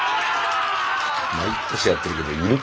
毎年やってるけど要るか？